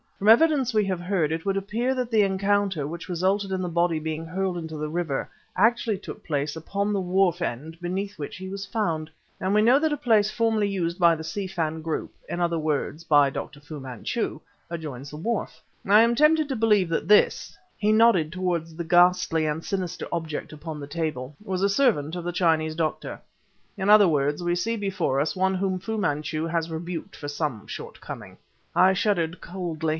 From evidence we have heard, it would appear that the encounter which resulted in the body being hurled in the river, actually took place upon the wharf end beneath which he was found. And we know that a place formerly used by the Si Fan group in other words, by Dr. Fu Manchu adjoins the wharf. I am tempted to believe that this" he nodded towards the ghastly and sinister object upon the table "was a servant of the Chinese Doctor. In other words, we see before us one whom Fu Manchu has rebuked for some shortcoming." I shuddered coldly.